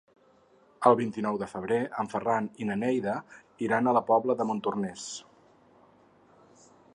El vint-i-nou de febrer en Ferran i na Neida iran a la Pobla de Montornès.